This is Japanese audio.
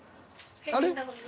あれ？